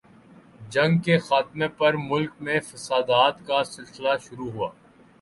جنگ کے خاتمہ پر ملک میں فسادات کا سلسلہ شروع ہوا۔